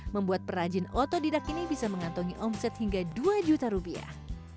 membuat perajin otodidak ini bisa mengantongi omset hingga dua juta rupiah